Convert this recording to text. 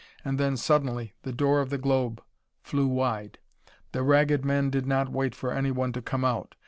And then, suddenly, the door of the globe flew wide. The Ragged Men did not wait for anyone to come out.